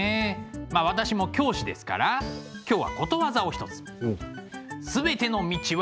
まあ私も教師ですから今日はことわざを一つ。おっ。